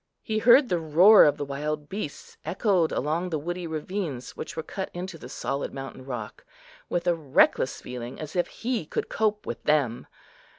He heard the roar of the wild beasts echoed along the woody ravines which were cut into the solid mountain rock, with a reckless feeling, as if he could cope with them.